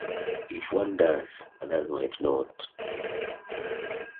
If one does, others might not.